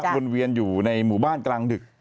วนเวียนอยู่ในหมู่บ้านกลางดึก